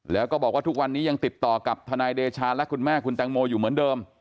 แล้วก็บอกว่าทุกวันนี้ยังติดต่อกับทนายเดชาและคุณแม่คุณแตงโมอยู่เหมือนเดิม